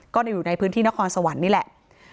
อยู่ในพื้นที่นครสวรรค์นี่แหละ